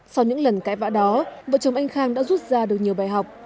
sau những lần cãi vã đó vợ chồng anh khang đã rút ra được nhiều bài học